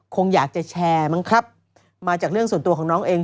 คงอยากจะแชร์มั้งครับมาจากเรื่องส่วนตัวของน้องเอง